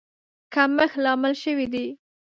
کمښت لامل شوی دی.